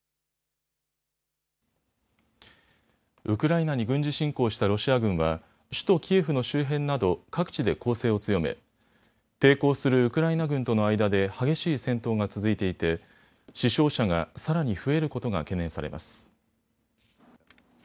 ウクライナに軍事侵攻したロシア軍は首都キエフの周辺など各地で攻勢を強め抵抗するウクライナ軍との間で激しい戦闘が続いていて死傷者がさらに増えることが懸念されます。